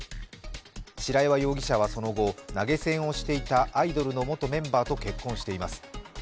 白岩容疑者はその後、投げ銭をしていたアイドルの元メンバーと結婚しています。